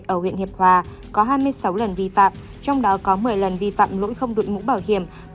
ở huyện hiệp hòa có hai mươi sáu lần vi phạm trong đó có một mươi lần vi phạm lỗi không đội mũ bảo hiểm